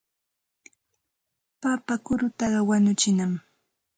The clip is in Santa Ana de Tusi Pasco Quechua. Papa kurutaqa wañuchinam.